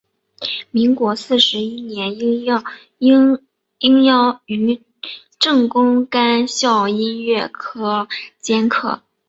民国四十一年应邀于政工干校音乐科兼课。